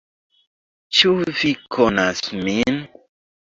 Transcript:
Ĉu vi konas min?